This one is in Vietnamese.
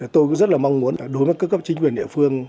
tôi cũng rất là mong muốn đối với các cấp chính quyền địa phương